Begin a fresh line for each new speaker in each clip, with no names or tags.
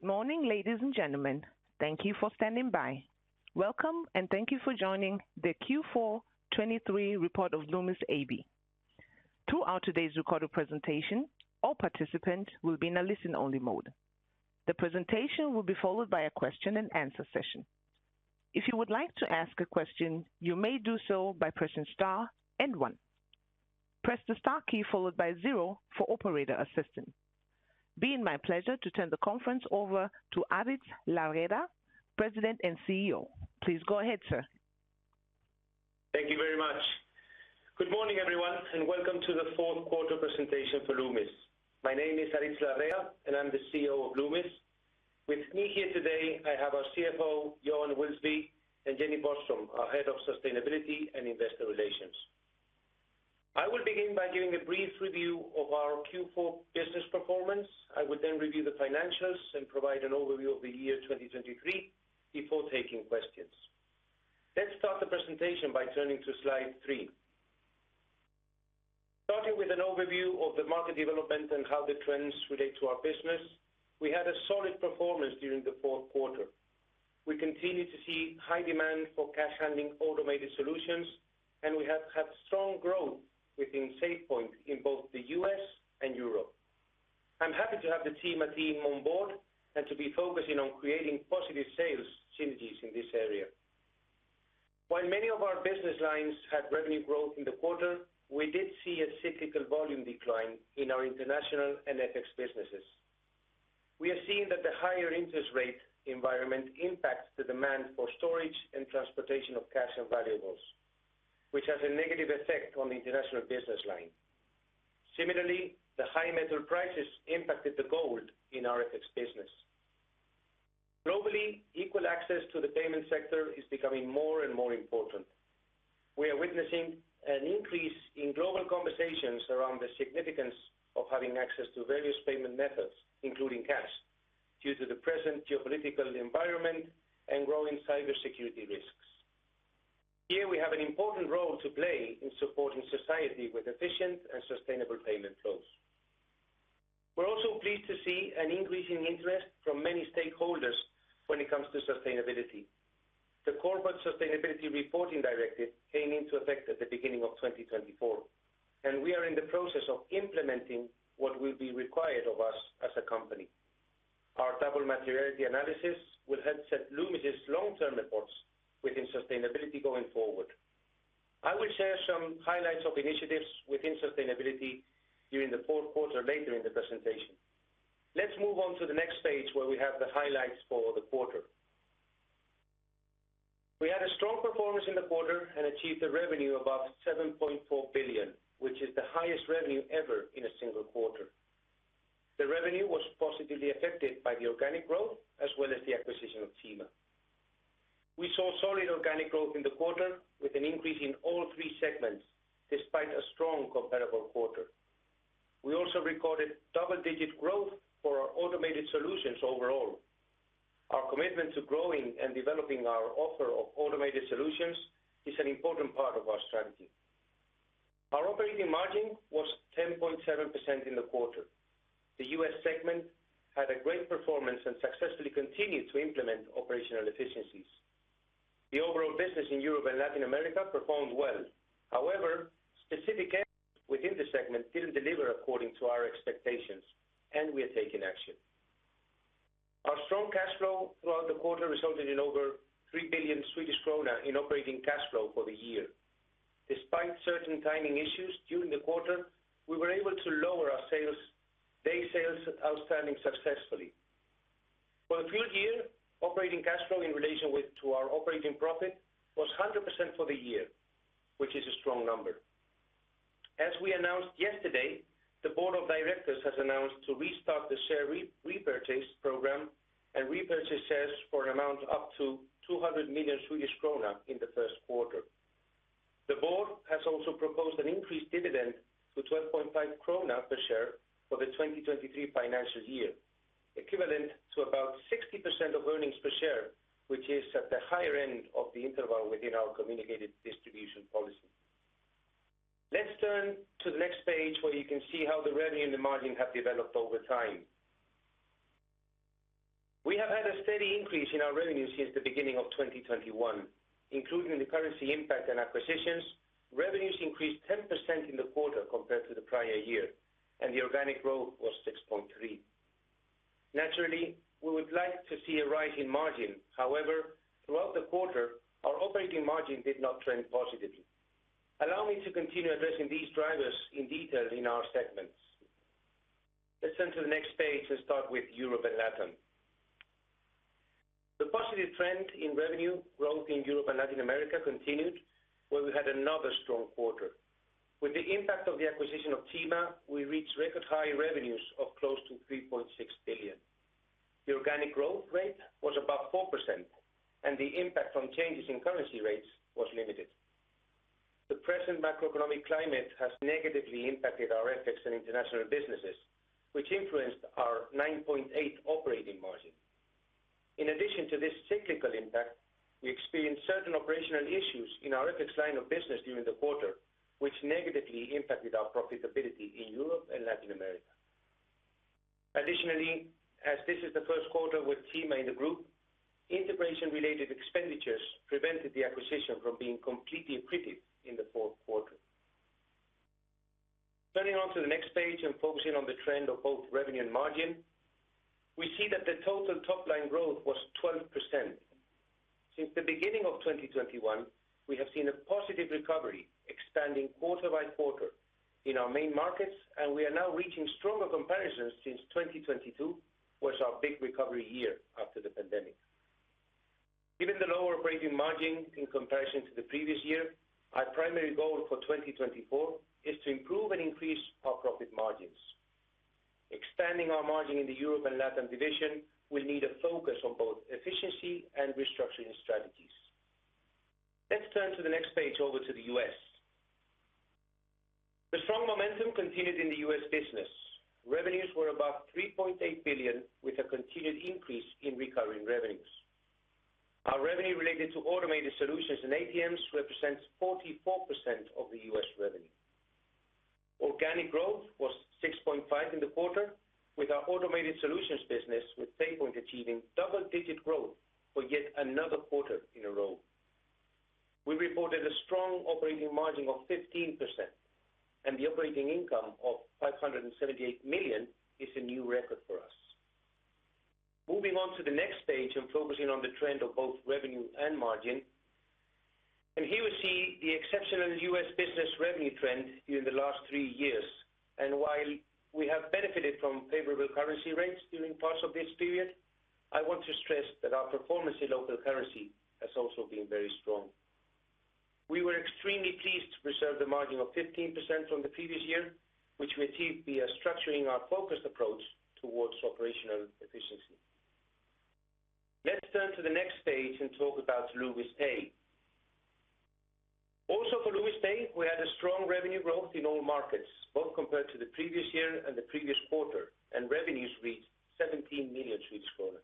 Good morning, ladies and gentlemen. Thank you for standing by. Welcome, and thank you for joining the Q4 2023 report of Loomis AB. Throughout today's recorded presentation, all participants will be in a listen-only mode. The presentation will be followed by a question-and-answer session. If you would like to ask a question, you may do so by pressing star and one. Press the star key followed by zero for operator assistance. It is my pleasure to turn the conference over to Aritz Larrea, President and Chief Executive Officer. Please go ahead, sir.
Thank you very much. Good morning, everyone, and welcome to the fourth quarter presentation for Loomis. My name is Aritz Larrea, and I'm the Chief Executive Officer of Loomis. With me here today, I have our Chief Financial Officer, Johan Wilsby, and Jenny Boström, our head of Sustainability and Investor Relations. I will begin by giving a brief review of our Q4 business performance. I will then review the financials and provide an overview of the year 2023 before taking questions. Let's start the presentation by turning to slide three. Starting with an overview of the market development and how the trends relate to our business, we had a solid performance during the fourth quarter. We continue to see high demand for cash handling automated solutions, and we have had strong growth within SafePoint in both the U.S. and Europe. I'm happy to have the team on board and to be focusing on creating positive sales synergies in this area. While many of our business lines had revenue growth in the quarter, we did see a cyclical volume decline in our international and FX businesses. We are seeing that the higher interest rate environment impacts the demand for storage and transportation of cash and valuables, which has a negative effect on the international business line. Similarly, the high metal prices impacted the gold in our FX business. Globally, equal access to the payment sector is becoming more and more important. We are witnessing an increase in global conversations around the significance of having access to various payment methods, including cash, due to the present geopolitical environment and growing cybersecurity risks. Here we have an important role to play in supporting society with efficient and sustainable payment flows. We're also pleased to see an increasing interest from many stakeholders when it comes to sustainability. The Corporate Sustainability Reporting Directive came into effect at the beginning of 2024, and we are in the process of implementing what will be required of us as a company. Our double materiality analysis will help set Loomis' long-term reports within sustainability going forward. I will share some highlights of initiatives within sustainability during the fourth quarter later in the presentation. Let's move on to the next page, where we have the highlights for the quarter. We had a strong performance in the quarter and achieved a revenue above 7.4 billion, which is the highest revenue ever in a single quarter. The revenue was positively affected by the organic growth as well as the acquisition of Cima. We saw solid organic growth in the quarter, with an increase in all three segments, despite a strong comparable quarter. We also recorded double-digit growth for our automated solutions overall. Our commitment to growing and developing our offer of automated solutions is an important part of our strategy. Our operating margin was 10.7% in the quarter. The U.S. segment had a great performance and successfully continued to implement operational efficiencies. The overall business in Europe and Latin America performed well. However, specific areas within the segment didn't deliver according to our expectations, and we are taking action. Our strong cash flow throughout the quarter resulted in over 3 billion Swedish krona in operating cash flow for the year. Despite certain timing issues during the quarter, we were able to lower our sales, day sales outstanding successfully. For the full year, operating cash flow in relation to our operating profit was 100% for the year, which is a strong number. As we announced yesterday, the board of directors has announced to restart the share repurchase program and repurchase shares for an amount up to 200 million Swedish krona in the first quarter. The board has also proposed an increased dividend to 12.5 krona per share for the 2023 financial year, equivalent to about 60% of earnings per share, which is at the higher end of the interval within our communicated distribution policy. Let's turn to the next page, where you can see how the revenue and the margin have developed over time. We have had a steady increase in our revenue since the beginning of 2021, including the currency impact and acquisitions. Revenues increased 10% in the quarter compared to the prior year, and the organic growth was 6.3%. Naturally, we would like to see a rise in margin. However, throughout the quarter, our operating margin did not trend positively. Allow me to continue addressing these drivers in detail in our segments. Let's turn to the next page and start with Europe and Latin. The positive trend in revenue growth in Europe and Latin America continued, where we had another strong quarter. With the impact of the acquisition of Cima, we reached record high revenues of close to 3.6 billion. The organic growth rate was about 4%, and the impact from changes in currency rates was limited. The present macroeconomic climate has negatively impacted our FX and international businesses, which influenced our 9.8% operating margin. In addition to this cyclical impact, we experienced certain operational issues in our FX line of business during the quarter, which negatively impacted our profitability in Europe and Latin America. Additionally, as this is the first quarter with Cima in the group, integration-related expenditures prevented the acquisition from being completely accretive in the fourth quarter. Turning on to the next page and focusing on the trend of both revenue and margin, we see that the total top line growth was 12%. Since the beginning of 2021, we have seen a positive recovery, expanding quarter by quarter in our main markets, and we are now reaching stronger comparisons since 2022 was our big recovery year after the pandemic. Given the lower operating margin in comparison to the previous year, our primary goal for 2024 is to improve and increase our profit margins. Expanding our margin in the Europe and Latin division will need a focus on both efficiency and restructuring strategies. Let's turn to the next page over to the U.S. The strong momentum continued in the U.S. business. Revenues were above $3.8 billion, with a continued increase in recurring revenues. Our revenue related to Automated Solutions and ATMs represents 44% of the U.S. revenue. Organic growth was 6.5% in the quarter, with our Automated Solutions business, with SafePoint achieving double-digit growth for yet another quarter in a row. We reported a strong operating margin of 15%, and the operating income of $578 million is a new record for us. Moving on to the next page and focusing on the trend of both revenue and margin, and here we see the exceptional U.S. business revenue trend during the last three years. While we have benefited from favorable currency rates during parts of this period, I want to stress that our performance in local currency has also been very strong. We were extremely pleased to preserve the margin of 15% from the previous year, which we achieved via structuring our focused approach towards operational efficiency. Let's turn to the next page and talk about Loomis Pay. Also for Loomis Pay, we had a strong revenue growth in all markets, both compared to the previous year and the previous quarter, and revenues reached 17 million Swedish kronor.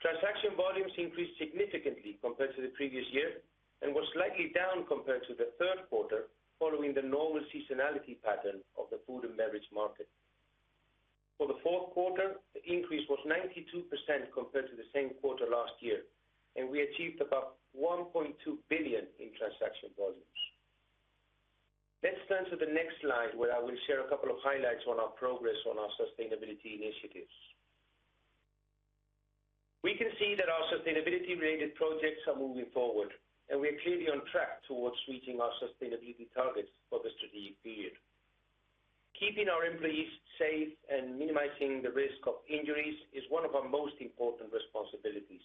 Transaction volumes increased significantly compared to the previous year and was slightly down compared to the third quarter, following the normal seasonality pattern of the food and beverage market. For the fourth quarter, the increase was 92% compared to the same quarter last year, and we achieved about 1.2 billion in transaction volumes. Let's turn to the next slide, where I will share a couple of highlights on our progress on our sustainability initiatives. We can see that our sustainability-related projects are moving forward, and we are clearly on track towards reaching our sustainability targets for the strategic period. Keeping our employees safe and minimizing the risk of injuries is one of our most important responsibilities.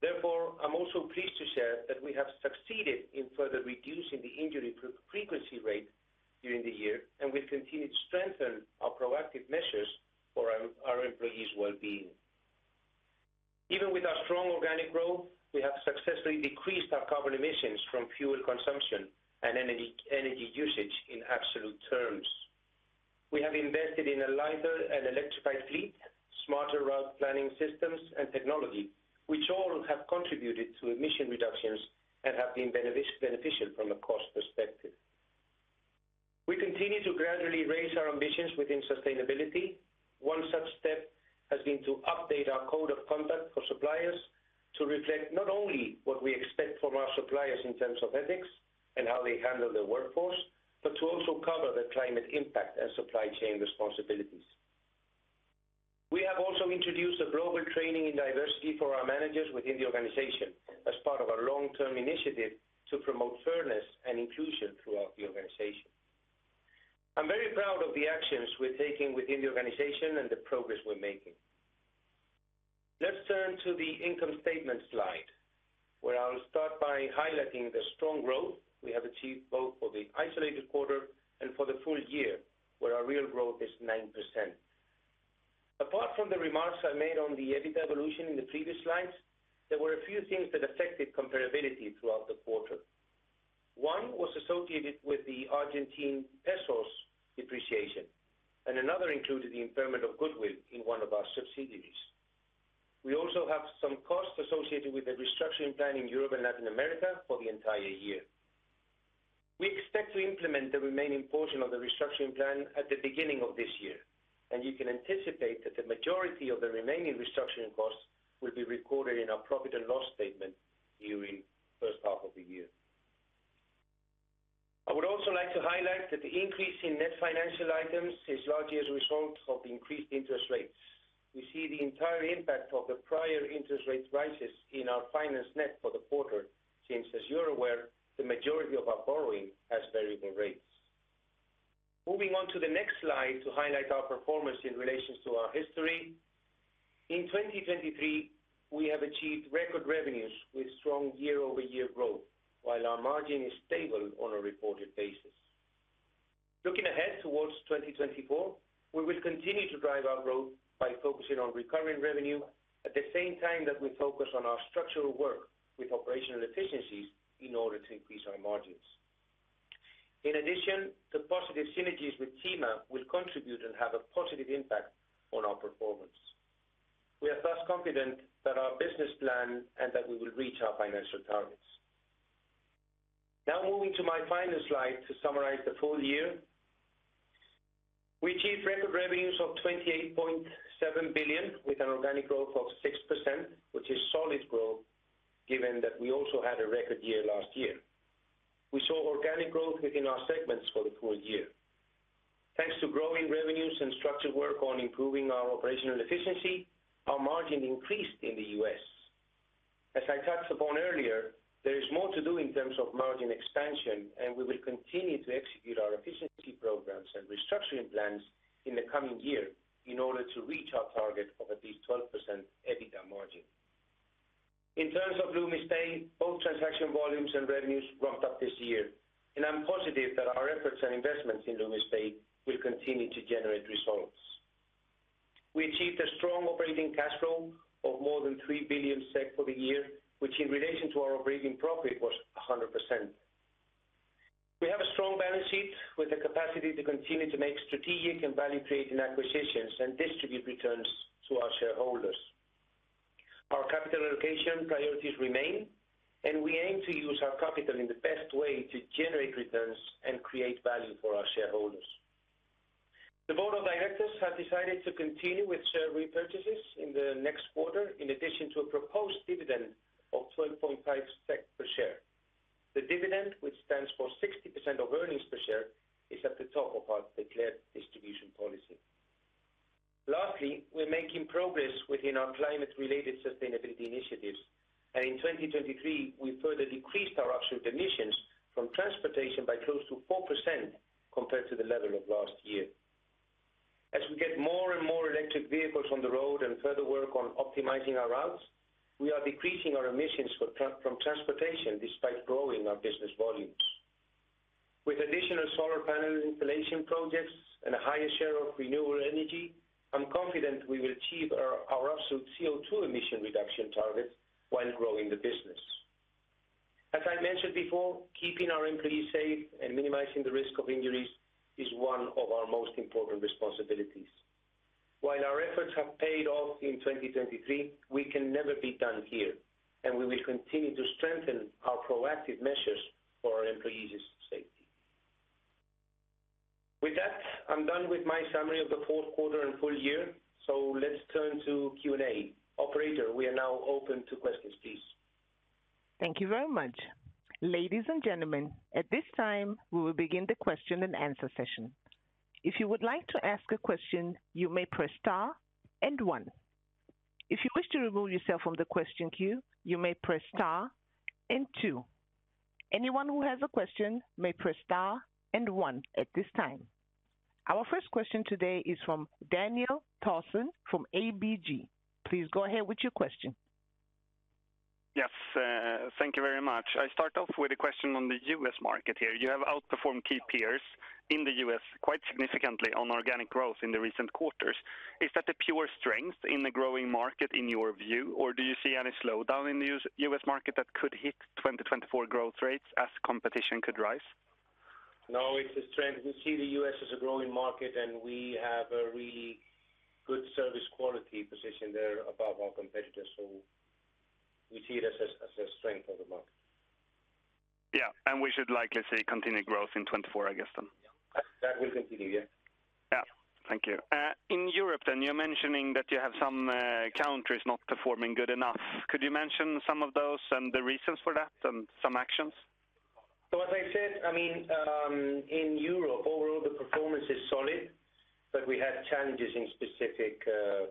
Therefore, I'm also pleased to share that we have succeeded in further reducing the injury frequency rate during the year, and we've continued to strengthen our proactive measures for our employees' well-being. Even with our strong organic growth, we have successfully decreased our carbon emissions from fuel consumption and energy usage in absolute terms. We have invested in a lighter and electrified fleet, smarter route planning systems and technology, which all have contributed to emission reductions and have been beneficial from a cost perspective. We continue to gradually raise our ambitions within sustainability. One such step has been to update our code of conduct for suppliers to reflect not only what we expect from our suppliers in terms of ethics and how they handle their workforce, but to also cover the climate impact and supply chain responsibilities. We have also introduced a global training in diversity for our managers within the organization as part of our long-term initiative to promote fairness and inclusion throughout the organization. I'm very proud of the actions we're taking within the organization and the progress we're making. Let's turn to the income statement slide, where I'll start by highlighting the strong growth we have achieved, both for the isolated quarter and for the full year, where our real growth is 9%. Apart from the remarks I made on the EBITA evolution in the previous slides, there were a few things that affected comparability throughout the quarter. One was associated with the Argentine peso depreciation, and another included the impairment of goodwill in one of our subsidiaries. We also have some costs associated with the restructuring plan in Europe and Latin America for the entire year. We expect to implement the remaining portion of the restructuring plan at the beginning of this year, and you can anticipate that the majority of the remaining restructuring costs will be recorded in our profit and loss statement during first half of the year. I would also like to highlight that the increase in net financial items is largely as a result of increased interest rates. We see the entire impact of the prior interest rate rises in our financial net for the quarter. Since, as you're aware, the majority of our borrowing has variable rates. Moving on to the next slide to highlight our performance in relation to our history. In 2023, we have achieved record revenues with strong year-over-year growth, while our margin is stable on a reported basis. Looking ahead towards 2024, we will continue to drive our growth by focusing on recurring revenue at the same time that we focus on our structural work with operational efficiencies in order to increase our margins. In addition, the positive synergies with Cima will contribute and have a positive impact on our performance. We are thus confident that our business plan and that we will reach our financial targets. Now, moving to my final slide to summarize the full year. We achieved record revenues of 28.7 billion, with an organic growth of 6%, which is solid growth, given that we also had a record year last year. We saw organic growth within our segments for the full year. Thanks to growing revenues and structured work on improving our operational efficiency, our margin increased in the U.S. As I touched upon earlier, there is more to do in terms of margin expansion, and we will continue to execute our efficiency programs and restructuring plans in the coming year in order to reach our target of at least 12% EBITDA margin. In terms of Loomis Pay, both transaction volumes and revenues ramped up this year, and I'm positive that our efforts and investments in Loomis Pay will continue to generate results. We achieved a strong operating cash flow of more than 3 billion SEK for the year, which in relation to our operating profit, was 100%. We have a strong balance sheet with the capacity to continue to make strategic and value-creating acquisitions and distribute returns to our shareholders. Our capital allocation priorities remain, and we aim to use our capital in the best way to generate returns and create value for our shareholders. The board of directors have decided to continue with share repurchases in the next quarter, in addition to a proposed dividend of 12.5 per share. The dividend, which stands for 60% of earnings per share, is at the top of our declared distribution policy. Lastly, we're making progress within our climate-related sustainability initiatives, and in 2023, we further decreased our absolute emissions from transportation by close to 4% compared to the level of last year. As we get more and more electric vehicles on the road and further work on optimizing our routes, we are decreasing our emissions from transportation despite growing our business volumes. With additional solar panel installation projects and a higher share of renewable energy, I'm confident we will achieve our absolute CO2 emission reduction targets while growing the business. As I mentioned before, keeping our employees safe and minimizing the risk of injuries is one of our most important responsibilities. While our efforts have paid off in 2023, we can never be done here, and we will continue to strengthen our proactive measures for our employees' safety. With that, I'm done with my summary of the fourth quarter and full year, so let's turn to Q&A. Operator, we are now open to questions, please.
Thank you very much. Ladies and gentlemen, at this time, we will begin the question-and-answer session. If you would like to ask a question, you may press star and one. If you wish to remove yourself from the question queue, you may press star and two. Anyone who has a question may press star and one at this time. Our first question today is from Daniel Thorsson from ABG. Please go ahead with your question.
Yes, thank you very much. I start off with a question on the U.S. market here. You have outperformed key peers in the U.S. quite significantly on organic growth in the recent quarters. Is that a pure strength in the growing market in your view, or do you see any slowdown in the U.S. market that could hit 2024 growth rates as competition could rise?
No, it's a strength. We see the U.S, as a growing market, and we have a really good service quality position there above our competitors. So we see it as a strength of the market.
Yeah, and we should likely see continued growth in 2024, I guess, then.
That will continue, yeah.
Yeah. Thank you. In Europe, then, you're mentioning that you have some countries not performing good enough. Could you mention some of those and the reasons for that and some actions?
So as I said, I mean, in Europe, overall, the performance is solid, but we had challenges in specific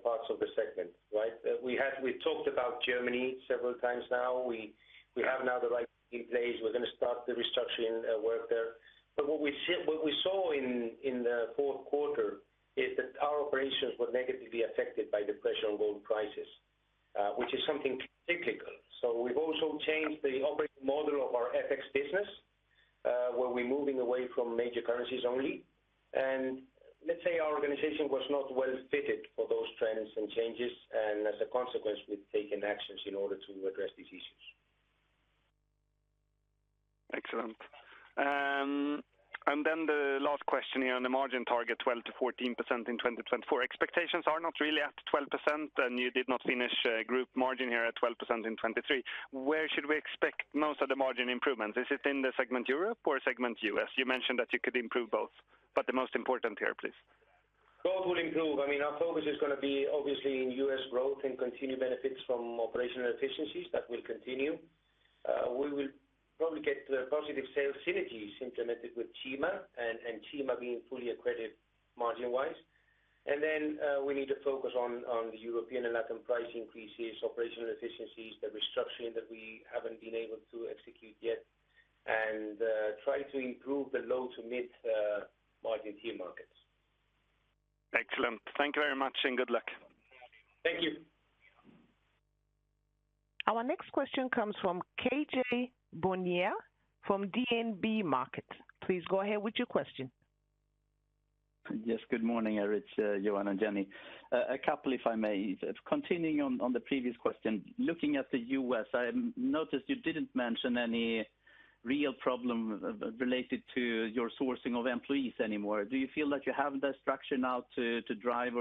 parts of the segment, right? We talked about Germany several times now. We have now the right in place. We're going to start the restructuring work there. But what we saw in the fourth quarter is that our operations were negatively affected by the pressure on gold prices, which is something cyclical. So we've also changed the operating model of our FX business, where we're moving away from major currencies only. And let's say our organization was not well fitted for those trends and changes, and as a consequence, we've taken actions in order to address these issues.
Excellent. And then the last question here on the margin target, 12% to 14% in 2024. Expectations are not really at 12%, and you did not finish group margin here at 12% in 2023. Where should we expect most of the margin improvements? Is it in the segment Europe or segment U.S.? You mentioned that you could improve both, but the most important here, please.
Both will improve. I mean, our focus is gonna be obviously in U.S. growth and continued benefits from operational efficiencies. That will continue. We will probably get the positive sales synergies implemented with Cima, and Cima being fully accredited margin-wise. And then, we need to focus on the European and Latin price increases, operational efficiencies, the restructuring that we haven't been able to execute yet, and try to improve the low to mid margin tier markets.
Excellent. Thank you very much, and good luck.
Thank you.
Our next question comes from KJ Bonier from DNB Markets. Please go ahead with your question.
Yes, good morning, Aritz, Johan, and Jenny. A couple if I may. Continuing on, on the previous question, looking at the U.S, I noticed you didn't mention any real problem related to your sourcing of employees anymore. Do you feel that you have the structure now to drive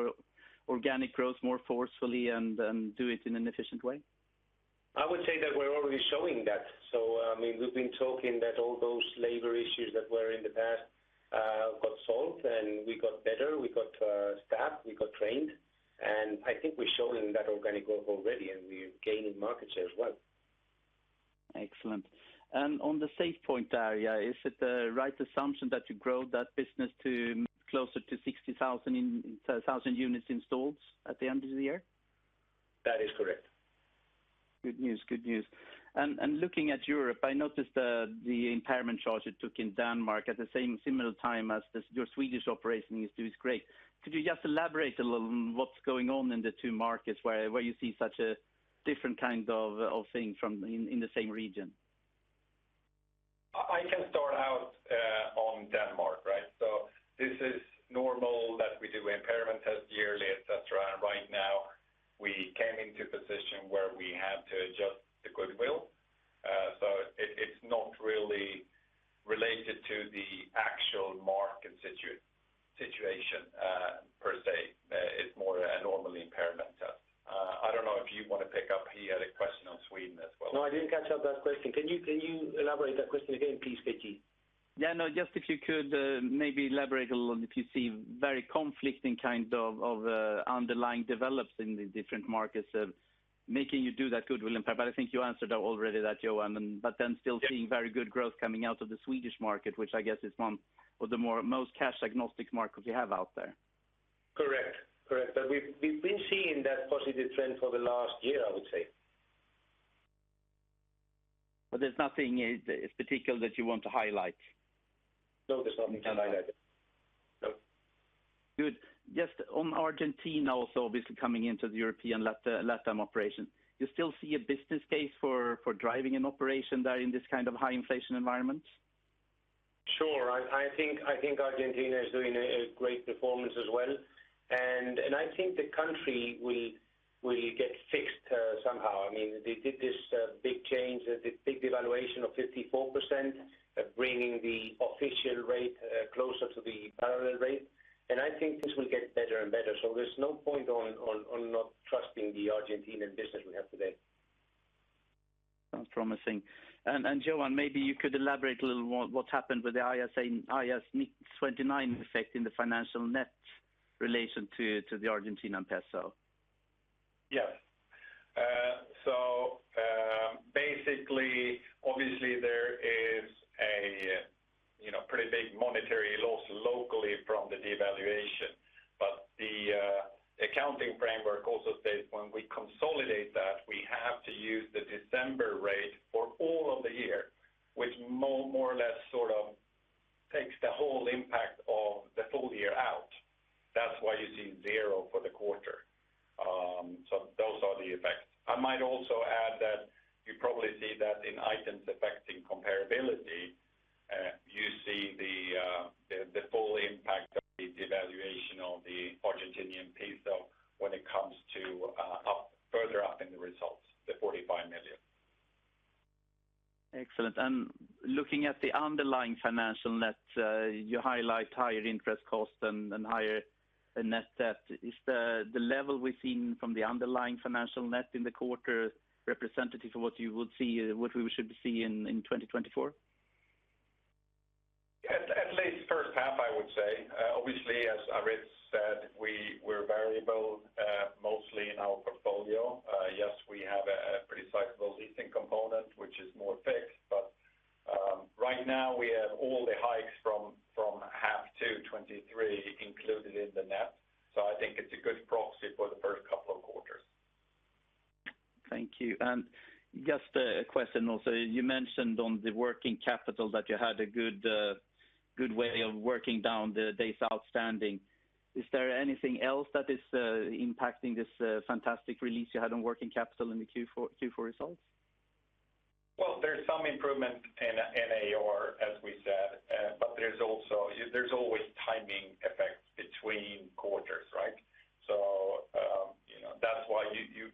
organic growth more forcefully and do it in an efficient way?
I would say that we're already showing that. So, I mean, we've been talking that all those labor issues that were in the past, got solved, and we got better, we got staff, we got trained. And I think we've shown in that organic growth already, and we're gaining market share as well.
Excellent. On the SafePoint area, is it the right assumption that you grow that business to closer to 60,000 in 1,000 units installs at the end of the year?
That is correct.
Good news, good news. And looking at Europe, I noticed the impairment charge it took in Denmark at the same similar time as this, your Swedish operation does great. Could you just elaborate a little on what's going on in the two markets where you see such a different kind of things from in the same region?
I can start out on Denmark, right? So this is normal that we do impairment test yearly, et cetera. Right now, we came into a position where we had to adjust the goodwill. So it's not really related to the actual market situation per se. It's more a normal impairment test. I don't know if you want to pick up, he had a question on Sweden as well.
No, I didn't catch that question. Can you, can you elaborate that question again, please, KJ?
Yeah, no, just if you could maybe elaborate a little on if you see very conflicting kind of underlying developments in the different markets making you do that goodwill impact. But I think you answered that already, that Johan, and but then still.
Yeah
Seeing very good growth coming out of the Swedish market, which I guess is one of the more, most cash agnostic markets you have out there.
Correct. Correct. But we've, we've been seeing that positive trend for the last year, I would say.
But there's nothing in particular that you want to highlight?
No, there's nothing to highlight. No.
Good. Just on Argentina also, obviously, coming into the European Latam operation, you still see a business case for driving an operation there in this kind of high inflation environment?
Sure. I think Argentina is doing a great performance as well. And I think the country will get fixed somehow. I mean, they did this big change, the big devaluation of 54%, bringing the official rate closer to the parallel rate. And I think this will get better and better, so there's no point on not trusting the Argentine business we have today.
Sounds promising. Johan, maybe you could elaborate a little more what's happened with the IAS 29 effect in the financial net relation to the Argentine peso.
Yes. So, basically, obviously, there is a, you know, pretty big monetary loss locally from the devaluation. But the accounting framework also states when we consolidate that, we have to use the December rate for all of the year, which more or less sort of takes the whole impact of the full year out. That's why you see zero for the quarter. So those are the effects. I might also add that you probably see that in items affecting comparability, you see the full impact of the devaluation of the Argentine peso when it comes to further up in the results, the 45 million.
Excellent. And looking at the underlying financial net, you highlight higher interest costs and higher net debt. Is the level we've seen from the underlying financial net in the quarter representative of what you would see, what we should be seeing in 2024?
At least first half, I would say. Obviously, as Aritz said, we were variable, mostly in our portfolio. Yes, we have a pretty sizable leasing component, which is more fixed. But right now we have all the hikes from half to 2023 included in the net. So I think it's a good proxy for the first couple of quarters.
Thank you. And just a question also, you mentioned on the working capital that you had a good, good way of working down the days outstanding. Is there anything else that is, impacting this, fantastic release you had on working capital in the Q4, Q4 results?
Well, there's some improvement in AR, as we said, but there's also—there's always timing effects between quarters, right? So, you know, that's why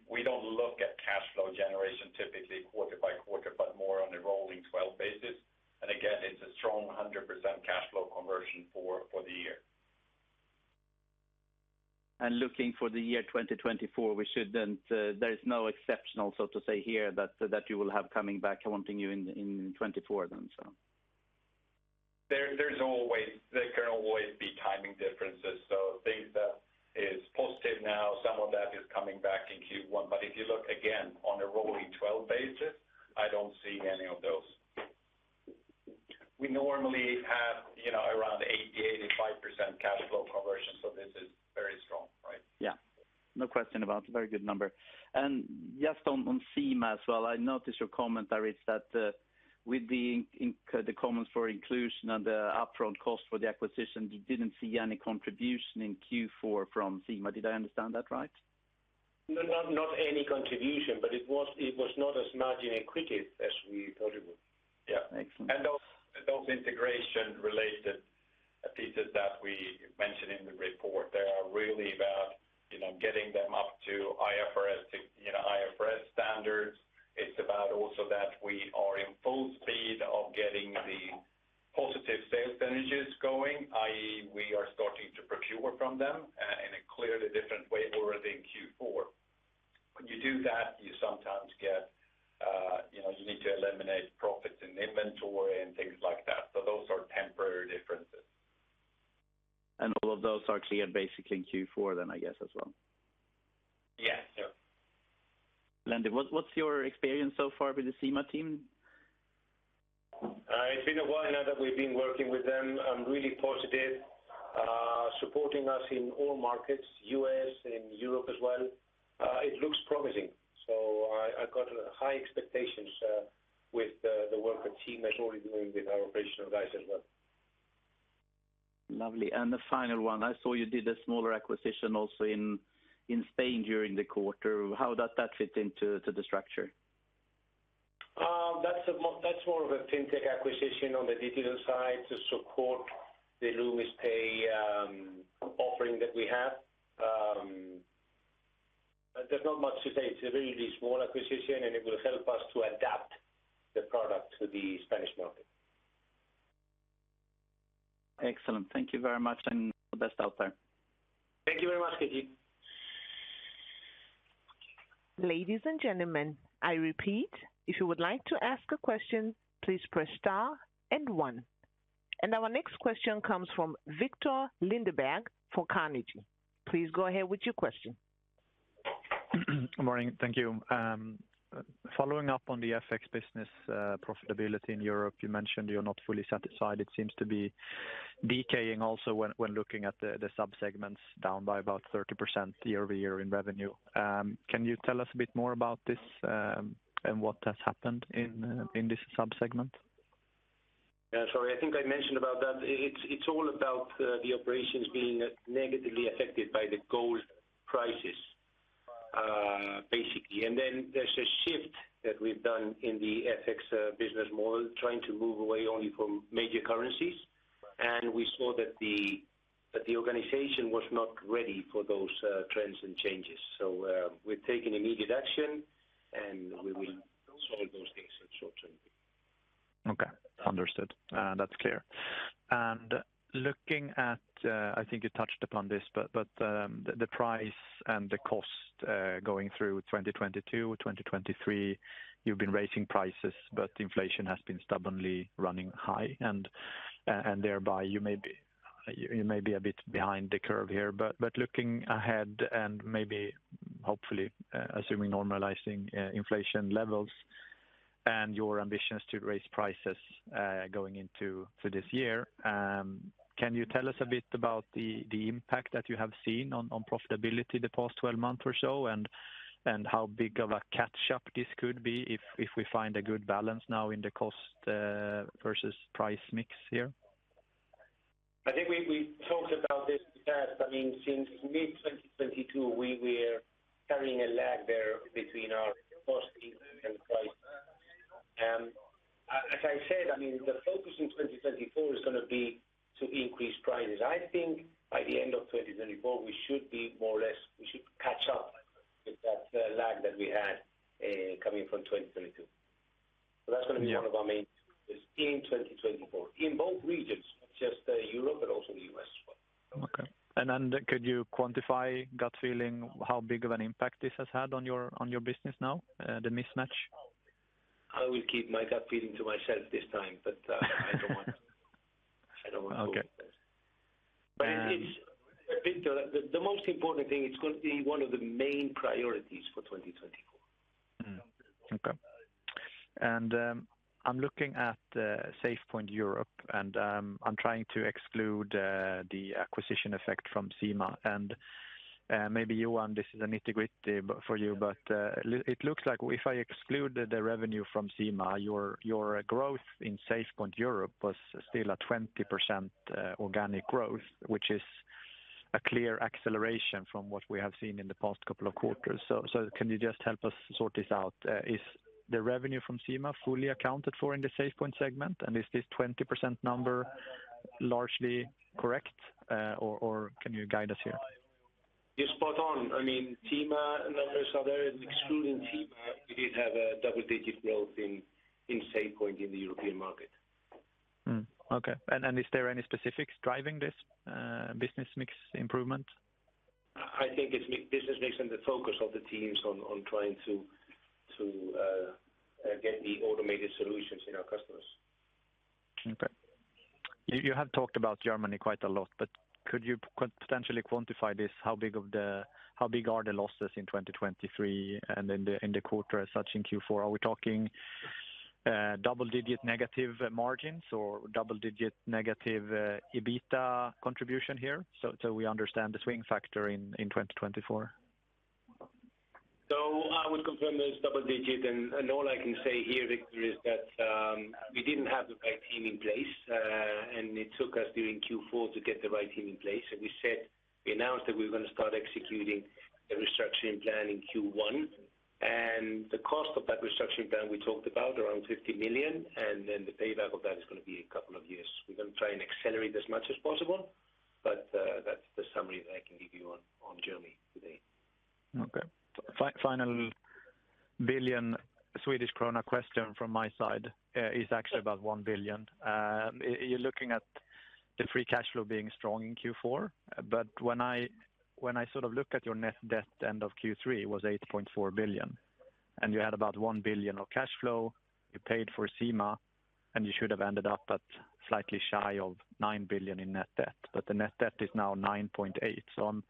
we don't look at cash flow generation typically quarter by quarter, but more on a rolling twelve basis. And again, it's a strong 100% cash flow conversion for the year. </transcript
Looking for the year 2024, we shouldn't. There is no exceptional, so to say here, that, that you will have coming back and haunting you in 2024 then, so.
There's always, there can always be timing differences. So things that is posted now, some of that is coming back in Q1. But if you look again on a rolling twelve basis, I don't see any of those. We normally have, you know, around 80% to 85% cash flow conversion, so this is very strong, right?
Yeah. No question about it, very good number. And just on, on Cima as well, I noticed your comment there. Is that, with the comments for inclusion and the upfront cost for the acquisition, you didn't see any contribution in Q4 from Cima? Did I understand that right?...
Not any contribution, but it was not as margin accretive as we thought it would.
Yeah, excellent.
Those, those integration-related pieces that we mentioned in the report, they are really about, you know, getting them up to IFRS, you know, IFRS standards. It's about also that we are in full speed of getting the positive sales synergies going, i.e., we are starting to procure from them, in a clearly different way already in Q4. When you do that, you sometimes get, you know, you need to eliminate profits in inventory and things like that. Those are temporary differences.
All of those are clear basically in Q4 then, I guess, as well?
Yes, sir.
Aritz, what's your experience so far with the Cima team?
It's been a while now that we've been working with them. I'm really positive, supporting us in all markets, US and Europe as well. It looks promising. So I got high expectations, with the work the team is already doing with our operational guys as well.
Lovely. And the final one, I saw you did a smaller acquisition also in Spain during the quarter. How does that fit into the structure?
That's more of a fintech acquisition on the digital side to support the Loomis Pay offering that we have. There's not much to say. It's a really small acquisition, and it will help us to adapt the product to the Spanish market.
Excellent. Thank you very much, and all the best out there.
Thank you very much, KJ.
Ladies and gentlemen, I repeat, if you would like to ask a question, please press Star and One. Our next question comes from Viktor Lindeberg for Carnegie. Please go ahead with your question.
Good morning. Thank you. Following up on the FX business profitability in Europe, you mentioned you're not fully satisfied. It seems to be decaying also when looking at the subsegments, down by about 30% year-over-year in revenue. Can you tell us a bit more about this, and what has happened in this subsegment?
Yeah, sorry, I think I mentioned about that. It's all about the operations being negatively affected by the gold prices, basically. And then there's a shift that we've done in the FX business model, trying to move away only from major currencies. And we saw that the organization was not ready for those trends and changes. So, we've taken immediate action, and we will solve those things in short term.
Okay, understood. That's clear. And looking at, I think you touched upon this, but the price and the cost going through 2022, 2023, you've been raising prices, but inflation has been stubbornly running high, and thereby you may be a bit behind the curve here. But looking ahead and maybe, hopefully, assuming normalizing inflation levels and your ambitions to raise prices going into this year, can you tell us a bit about the impact that you have seen on profitability the past 12 months or so, and how big of a catch-up this could be if we find a good balance now in the cost versus price mix here?
I think we talked about this because, I mean, since mid-2022, we were carrying a lag there between our cost and price. As I said, I mean, the focus in 2024 is gonna be to increase prices. I think by the end of 2024, we should be more or less, we should catch up with that lag that we had coming from 2022.
Yeah.
That's gonna be one of our main in 2024, in both regions, not just Europe, but also the U.S, as well.
Okay. And then could you quantify gut feeling, how big of an impact this has had on your, on your business now, the mismatch?
I will keep my gut feeling to myself this time, but I don't want to-
Okay.
But it's... Victor, the most important thing, it's going to be one of the main priorities for 2024.
Okay. And I'm looking at SafePoint Europe, and I'm trying to exclude the acquisition effect from Cima. And maybe you, and this is a nitty-gritty bit for you, but it looks like if I exclude the revenue from Cima, your growth in SafePoint Europe was still 20% organic growth, which is a clear acceleration from what we have seen in the past couple of quarters. So can you just help us sort this out? Is the revenue from Cima fully accounted for in the SafePoint segment? And is this 20% number largely correct, or can you guide us here?
You're spot on. I mean, Cima and others are there. Excluding Cima, we did have a double-digit growth in SafePoint in the European market.
Okay. And is there any specifics driving this business mix improvement?
I think it's my business mix and the focus of the teams on trying to get the automated solutions in our customers.
Okay. You have talked about Germany quite a lot, but could you potentially quantify this? How big are the losses in 2023 and in the quarter as such in Q4? Are we talking double-digit negative margins or double-digit negative EBITDA contribution here? So we understand the swing factor in 2024.
Confirm those double-digit, and all I can say here, Victor, is that we didn't have the right team in place. It took us during Q4 to get the right team in place. We said we announced that we were gonna start executing the restructuring plan in Q1. The cost of that restructuring plan, we talked about around 50 million, and then the payback of that is gonna be a couple of years. We're gonna try and accelerate as much as possible, but that's the summary that I can give you on Germany today.
Okay. Final billion Swedish krona question from my side is actually about one billion. You're looking at the free cash flow being strong in Q4, but when I, when I sort of look at your net debt end of Q3, it was 8.4 billion, and you had about 1 billion of cash flow. You paid for Cima, and you should have ended up at slightly shy of 9 billion in net debt, but the net debt is now 9.8 billion. So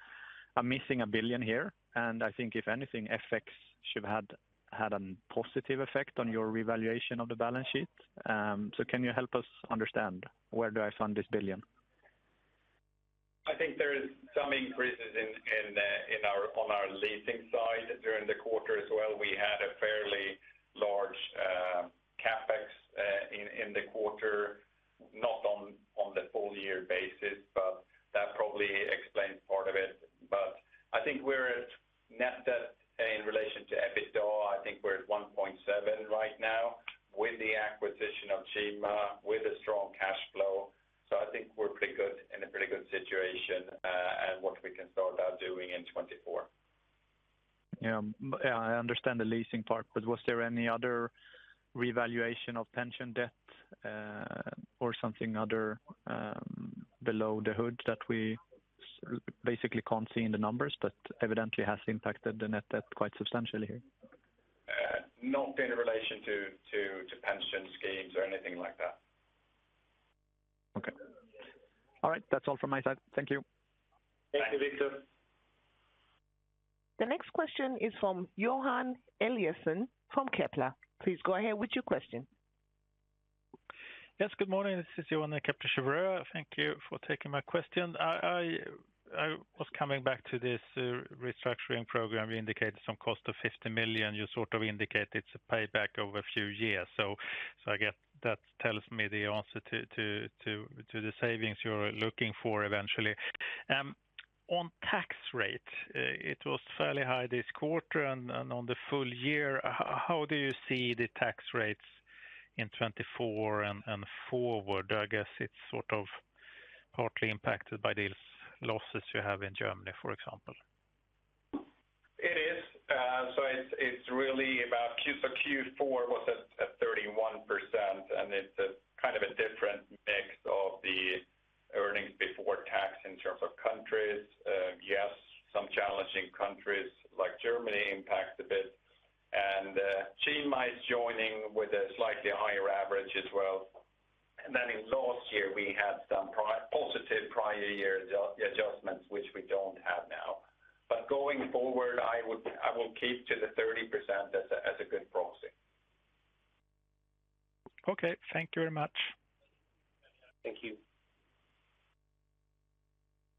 I'm missing a billion here, and I think if anything, FX should have had a positive effect on your revaluation of the balance sheet. So can you help us understand where do I find this billion?
I think there is some increases in our leasing side during the quarter as well. We had a fairly large CapEx in the quarter, not on the full year basis, but that probably explains part of it. But I think we're at net debt in relation to EBITA. I think we're at one point seven right now with the acquisition of Cima, with a strong cash flow. So I think we're pretty good, in a pretty good situation, and what we can start out doing in 2024.
Yeah. But yeah, I understand the leasing part, but was there any other revaluation of pension debt, or something other, under the hood that we basically can't see in the numbers, but evidently has impacted the net debt quite substantially here?
Not in relation to pension schemes or anything like that.
Okay. All right, that's all from my side. Thank you.
Thank you, Victor.
The next question is from Johan Eliason from Kepler. Please go ahead with your question.
Yes, good morning. This is Johan at Kepler Cheuvreux. Thank you for taking my question. I was coming back to this restructuring program. You indicated some cost of 50 million. You sort of indicated it's a payback over a few years. I guess that tells me the answer to the savings you're looking for eventually. On tax rate, it was fairly high this quarter and on the full year. How do you see the tax rates in 2024 and forward? I guess it's sort of partly impacted by the you very much.
Thank you.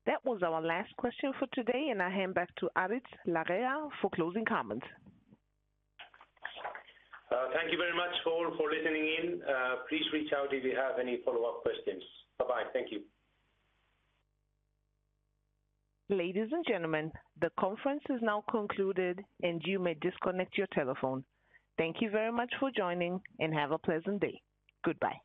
That was our last question for today, and I hand back to Aritz Larrea for closing comments.
Thank you very much for listening in. Please reach out if you have any follow-up questions. Bye-bye. Thank you.
Ladies and gentlemen, the conference is now concluded, and you may disconnect your telephone. Thank you very much for joining, and have a pleasant day. Goodbye.